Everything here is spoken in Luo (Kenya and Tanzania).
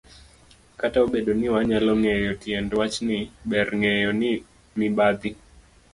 Kata obedo ni wanyalo ng'eyo tiend wachni, ber ng'eyo ni mibadhi